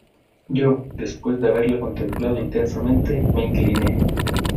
yo, después de haberla contemplado intensamente , me incliné.